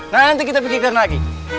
nanti kita pikirkan lagi